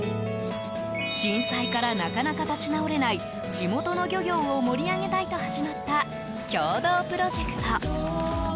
震災から、なかなか立ち直れない地元の漁業を盛り上げたいと始まった共同プロジェクト。